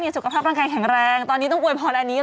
ชอบคุณครับ